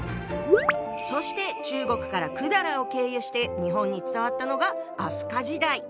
そして中国から百済を経由して日本に伝わったのが飛鳥時代。